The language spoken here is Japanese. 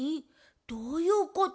どういうこと？